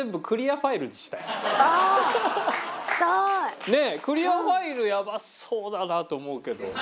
クリアファイルやばそうだなと思うけど。